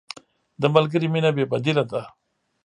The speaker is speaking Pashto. د ملګري مینه بې بدیله ده.